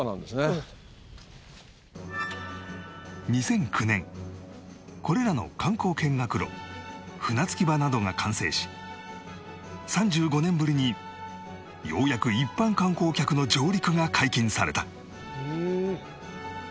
２００９年これらの観光見学路船着き場などが完成し３５年ぶりにようやく一般観光客の上陸が解禁された